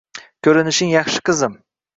Ko`rinishing yaxshi qizim